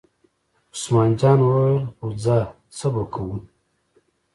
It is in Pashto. عثمان جان وویل: خو ځه څو به کوو.